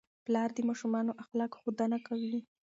پلار د ماشومانو د اخلاقو ښودنه کوي.